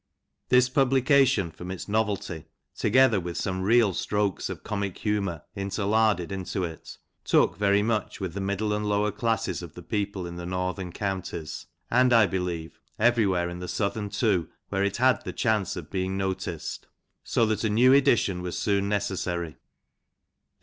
This publication, from its novelty, together with some real strokes of comic humour Interlarded into it, took very much with the middle and lower class of people, in the northern counties, (and, I believe everywhere in the south, too, where it had the chance of being noticed,) so that a new edition was soon necessary.